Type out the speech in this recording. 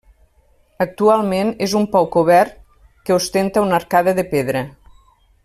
Actualment és un pou cobert que ostenta una arcada de pedra.